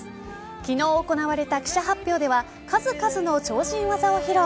昨日、行われた記者発表では数々の超人技を披露。